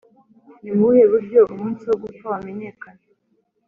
Ni mu buhe buryo umunsi wo gupfa wamenyekana‽